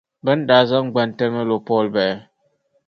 Bɛ ni daa zaŋ gbantalima lo Paul bahi.